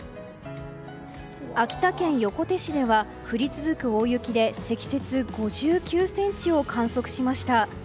秋田県横手市では降り続く大雪で積雪５９ｃｍを観測しました。